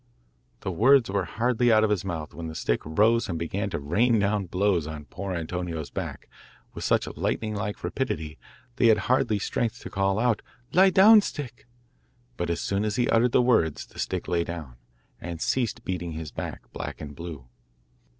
The words were hardly out of his mouth when the stick rose and began to rain down blows on poor Antonio's back with such lightning like rapidity that he had hardly strength to call out, 'Lie down, Stick;' but as soon as he uttered the words the stick lay down, and ceased beating his back black and blue.